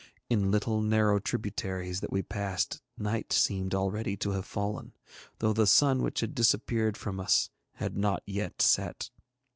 In little narrow tributaries that we passed night seemed already to have fallen, though the sun which had disappeared from us had not yet set.